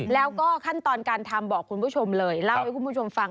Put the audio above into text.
แล้วก็ขั้นตอนการทำบอกคุณผู้ชมเลยเล่าให้คุณผู้ชมฟัง